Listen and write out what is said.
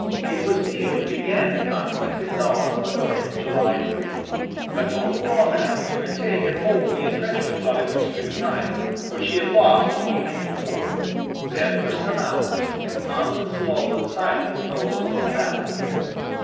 It was Meade who began the conflict at dawn on the morning of July 3, but only long enough to retake and hold the intrenchments on his extreme right, which he had lost the evening before; then for some hours an ominous lull and silence fell over the whole battle field.